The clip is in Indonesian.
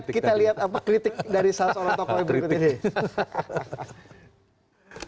kita lihat kritik dari salah seorang tokoh yang berikut ini